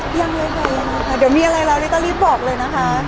เดี๋ยวมีอะไรแล้วรีบบอกเลยนะคะ